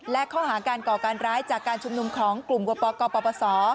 และข้อหาการก่อการร้ายจากการชุมนุมของกลุ่มกปกปปศ